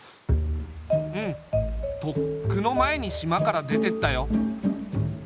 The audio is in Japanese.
うんとっくの前に島から出てったよ。